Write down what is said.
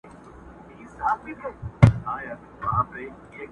همدې ژبي يم تر داره رسولى٫